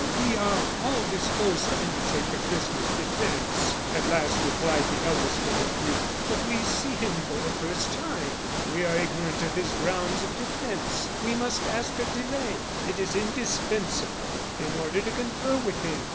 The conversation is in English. "We are all disposed to undertake the prisoner's defence," at last replied the eldest of the three; "but we see him for the first time; we are ignorant of his grounds of defence. We must ask a delay; it is indispensable, in order to confer with him."